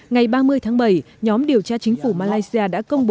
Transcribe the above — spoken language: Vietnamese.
ngày ba mươi tháng bảy nhóm điều tra chính phủ malaysia đã công bố